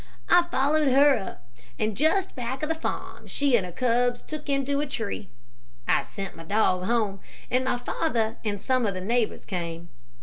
I followed her up, and just back of the farm she and her cubs took into a tree. I sent my dog home, and my father and some of the neighbors came.